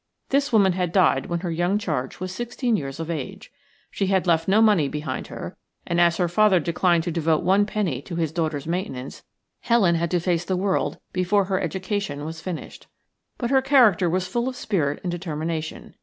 This woman had died when her young charge was sixteen years of age. She had left no money behind her, and, as her father declined to devote one penny to his daughter's maintenance, Helen had to face the world before her education was finished. But her character was full of spirit and determination.